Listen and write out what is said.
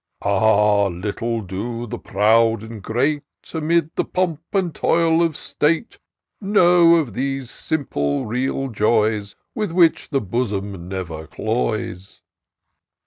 " Ah ! little do the proud and great, Amid the pomp and toil of state. Know of those simple, real joys. With which the bosom never cloys